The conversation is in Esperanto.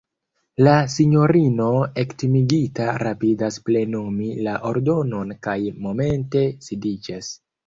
La sinjorino ektimigita rapidas plenumi la ordonon kaj momente sidiĝas.